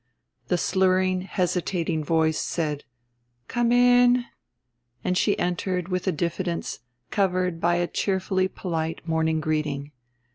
The slurring hesitating voice said "Come in," and she entered with a diffidence covered by a cheerfully polite morning greeting.